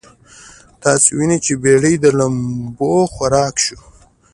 تاسې وينئ چې بېړۍ مو د لمبو خوراک شوې.